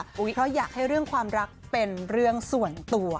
เพราะอยากให้เรื่องความรักเป็นเรื่องส่วนตัว